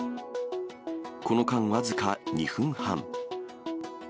この間、僅か２分半。